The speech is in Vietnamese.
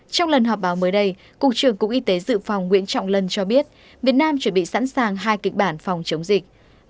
trong lần họp báo mới đây cục trưởng cục y tế dự phòng nguyễn trọng lân cho biết việt nam chuẩn bị sẵn sàng hai kịch bản phòng chống dịch